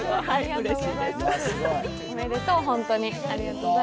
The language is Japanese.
おめでとう、本当に。